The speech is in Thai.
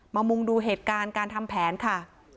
มุงดูเหตุการณ์การทำแผนค่ะ